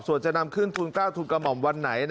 ส่วนที่จะนำขึ้นทุนเกล้ากันถึงไหน